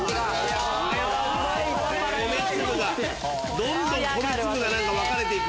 どんどん米粒が分かれて行く。